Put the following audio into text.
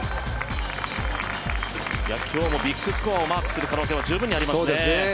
今日もビッグスコアをマークする可能性は十分にありますね。